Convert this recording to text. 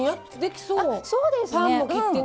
そうですね。